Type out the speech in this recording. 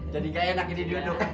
jadi gak enak ini duduk kan